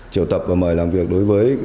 triều tập và mời làm việc đối với